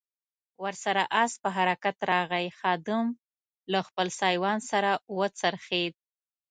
ور سره آس په حرکت راغی، خادم له خپل سایوان سره و څرخېد.